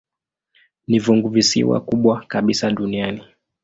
Ni funguvisiwa kubwa kabisa duniani.